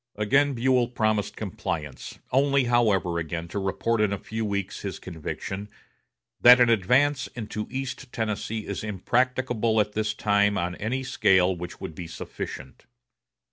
Again Buell promised compliance, only, however, again to report in a few weeks his conviction "that an advance into East Tennessee is impracticable at this time on any scale which would be sufficient."